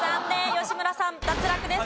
吉村さん脱落です。